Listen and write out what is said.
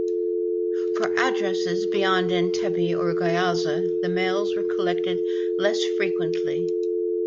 For addresses beyond Entebbe or Gayaza the mails were collected less frequently.